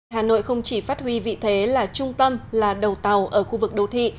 hà nội không chỉ phát huy vị thế là trung tâm là đầu tàu ở khu vực đô thị